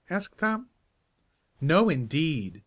asked Tom. "No, indeed!"